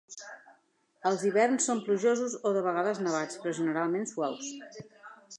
Els hiverns són plujosos o de vegades nevats, però generalment suaus.